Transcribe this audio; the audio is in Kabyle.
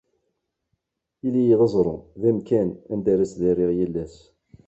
Ili-yi d aẓru, d amkan anda ara ttdariɣ mkul ass.